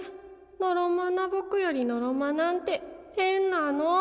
のろまなぼくよりのろまなんてへんなの。